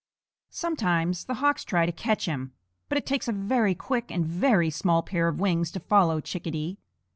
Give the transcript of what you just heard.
Sometimes the hawks try to catch him, but it takes a very quick and a very small pair of wings to follow Chickadee.